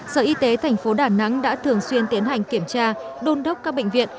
sở y tế tp đà nẵng đã thường xuyên tiến hành kiểm tra đôn đốc các bệnh viện